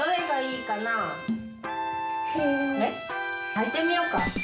はいてみようか。